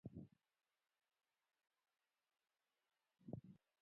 آیا کاناډا د هوا فضا صنعت نلري؟